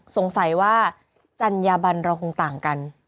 สงสัยว่าจัญญาบันเราคงต่างกัน